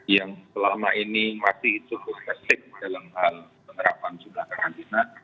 yang selama ini masih cukup testing dalam hal penerapan jumlah karantina